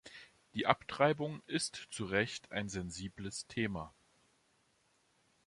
Die Abtreibung ist zu Recht ein sensibles Thema.